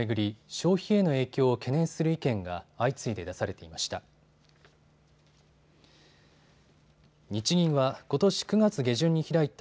消費への影響を懸念する意見が相次いで出されていました。